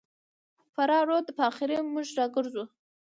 فراه رود به اخر موږ راګرځوو.